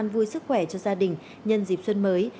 vui sức khỏe cho gia đình nhân dịp xuân mới